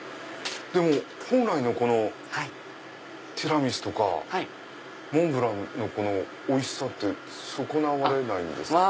でも本来のティラミスとかモンブランのおいしさって損なわれないんですか？